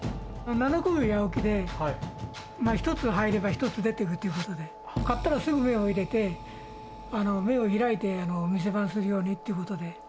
七転び八起きで、１つ入れば１つ出ていくということで、買ったらすぐ目を入れて、目を開いて店番するようにっていうことで。